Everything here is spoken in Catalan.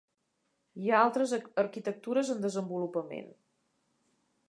Hi ha altres arquitectures en desenvolupament.